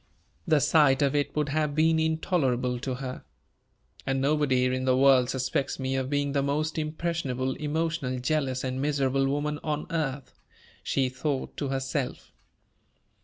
The sight of it would have been intolerable to her. "And nobody in the world suspects me of being the most impressionable, emotional, jealous, and miserable woman on earth," she thought to herself.